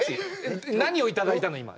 何を頂いたの？